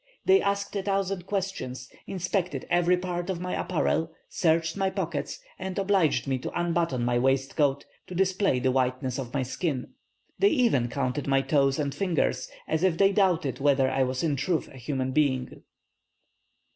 They asked a thousand questions, inspected every part of my apparel, searched my pockets, and obliged me to unbutton my waistcoat to display the whiteness of my skin. They even counted my toes and fingers, as if they doubted whether I was in truth a human being."